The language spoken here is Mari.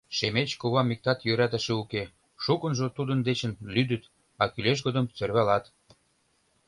Шемеч кувам иктат йӧратыше уке, шукынжо тудын дечын лӱдыт, а кӱлеш годым сӧрвалат.